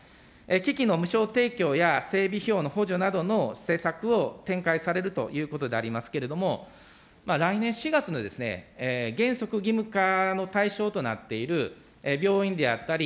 機器の無償提供や整備費用の補助などの施策を展開されるということでありますけれども、来年４月の原則義務化の対象となっている、病院であったり、